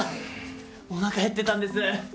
おなか減ってたんです。